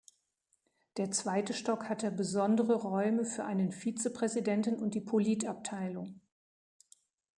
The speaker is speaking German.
Der zweite Stock hatte besondere Räume für einen Vizepräsidenten und die Politabteilung.